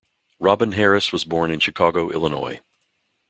Robin Harris was born in Chicago, Illinois.